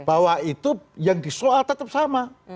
bahwa itu yang disoal tetap sama